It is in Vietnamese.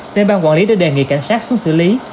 nên bang quản lý đã đề nghị cảnh sát xuống xử lý